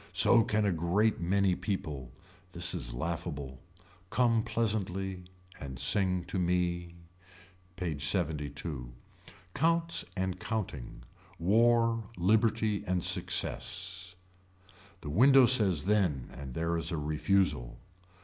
So can a great many people. This is laughable. Come pleasantly. And sing to me. PAGE LXXII. Counts and counting. War liberty and success. The window says then and there is a refusal.